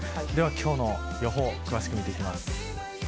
今日の予報詳しく見ていきます。